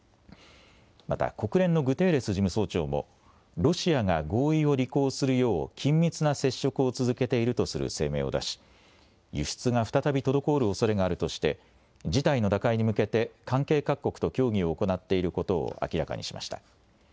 また国連のグテーレス事務総長も、ロシアが合意を履行するよう緊密な接触を続けているとする声明を出し、輸出が再び滞るおそれがあるとして、事態の打開に向けて関係各国と協議を行っていることを明らかにしました。